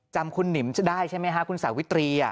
จำคุณหนิมได้ใช่ไหมฮะคุณสาวิตรี